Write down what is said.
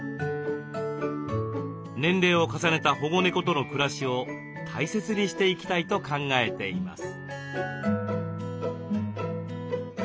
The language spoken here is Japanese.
年齢を重ねた保護猫との暮らしを大切にしていきたいと考えています。